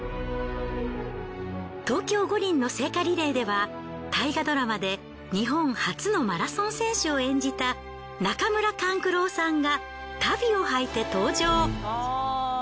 東京五輪の聖火リレーでは大河ドラマで日本初のマラソン選手を演じた中村勘九郎さんが。